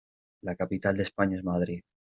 La capital de España, es Madrid.